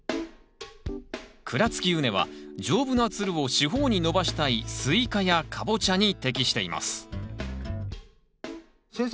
鞍つき畝は丈夫なつるを四方に伸ばしたいスイカやカボチャに適しています先生